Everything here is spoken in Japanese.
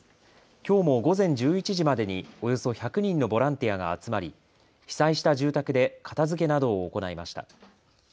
きょうも午前１１時までにおよそ１００人のボランティアが集まり、被災した住宅で片づけなどを行いました。